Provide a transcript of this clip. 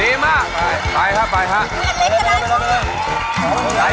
เอามือหมุน